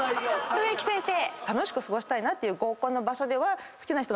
植木先生。